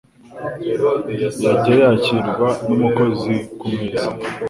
yajya yakirwa n'umukozi ku meza.